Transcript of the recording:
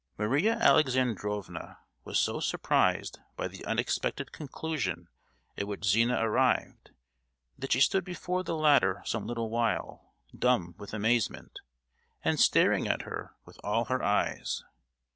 Maria Alexandrovna was so surprised by the unexpected conclusion at which Zina arrived, that she stood before the latter some little while, dumb with amazement, and staring at her with all her eyes.